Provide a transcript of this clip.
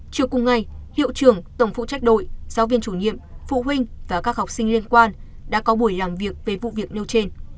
trước cùng ngày hiệu trưởng tổng phụ trách đội giáo viên chủ nhiệm phụ huynh và các học sinh liên quan đã có buổi làm việc